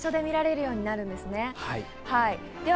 いろんな場所で見られるようになるんですね。